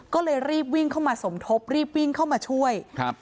ก็เลยรีบวิ่งเข้ามาสมทบรีบวิ่งเข้ามาช่วยครับ